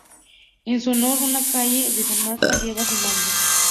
En su honor, una calle de Salamanca lleva su nombre.